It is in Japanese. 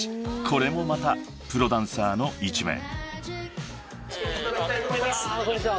［これもまたプロダンサーの一面］